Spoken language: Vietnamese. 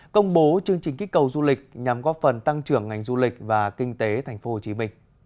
công bố chương trình kích cầu du lịch nhằm góp phần tăng trưởng ngành du lịch và kinh tế tp hcm